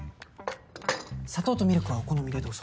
砂糖とミルクはお好みでどうぞ。